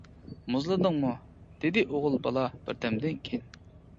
-مۇزلىدىڭمۇ؟ -دېدى ئوغۇل بالا بىردەمدىن كېيىن.